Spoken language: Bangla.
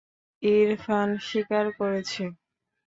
ইরফান স্বীকার করেছে।